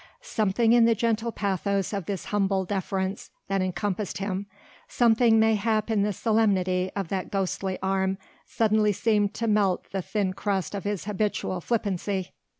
Something in the gentle pathos of this humble deference that encompassed him, something mayhap in the solemnity of that ghostly arm suddenly seemed to melt the thin crust of his habitual flippancy.